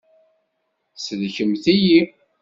Sellkemt-iyi!